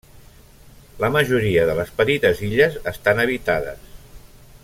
La majoria de les petites illes estan habitades.